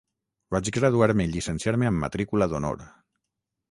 Vaig graduar-me i llicenciar-me amb matrícula d'honor.